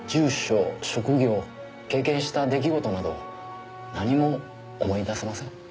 職業経験した出来事など何も思い出せません。